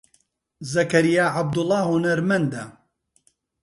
زەکەریا عەبدوڵڵا هونەرمەندە.